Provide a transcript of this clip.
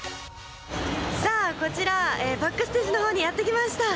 こちら、バックステージの方にやってきました。